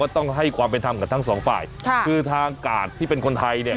ต้องให้ความเป็นธรรมกับทั้งสองฝ่ายค่ะคือทางกาดที่เป็นคนไทยเนี่ย